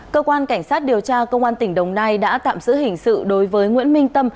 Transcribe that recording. cơ quan cảnh sát điều tra công an tỉnh đồng nai đã tạm giữ hình sự đối với nguyễn minh tâm